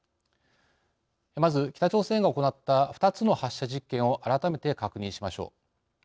まず北朝鮮が行った２つの発射実験を改めて確認しましょう。